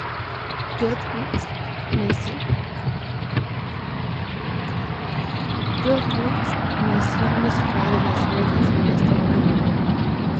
Jodi West nació en la ciudad de Las Vegas, en el estado de Nevada.